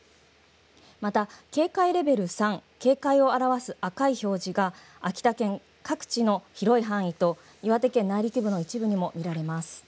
また警戒レベル３、警戒を表す赤い表示が秋田県各地の広い範囲と岩手県内陸部の一部にも見られます。